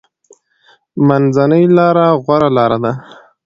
منځنۍ لاره غوره لاره ده.